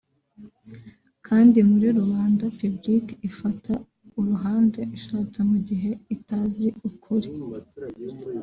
kandi muri rubanda(public) ifata uruhande ishatse mu gihe itazi ukuri